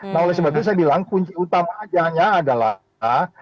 nah oleh sebab itu saya bilang kunci utama ajanya adalah